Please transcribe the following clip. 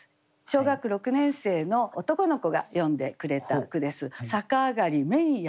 小学６年生の男の子が詠んでくれた句です。